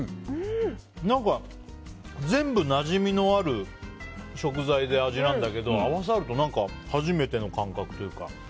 何か、全部なじみのある食材で、味なんだけど合わさると何か初めての感覚というか。